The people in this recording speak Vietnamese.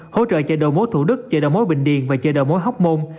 hỗ trợ chợ đồ mối thủ đức chợ đầu mối bình điền và chợ đầu mối hóc môn